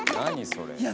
それ。